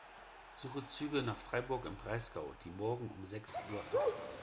Suche Züge nach Freiburg im Breisgau, die morgen um sechs Uhr abfahren.